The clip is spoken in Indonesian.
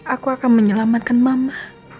aku akan menyelamatkan mama